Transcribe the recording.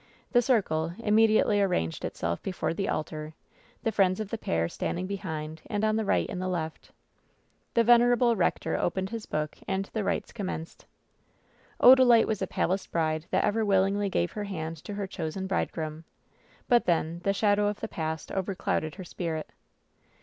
The circle, immediately arranged itself before the altar — the friends of the pair standing behind and on the right and left. The venerable rector opened his book and the rites commenced. Odalite was the palest bride that ever willingly gave her hand to her chosen bridegroom; but, then, the shadow of the past overclouded her spirit.